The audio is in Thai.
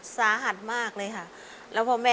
สาหัสมากเลยค่ะ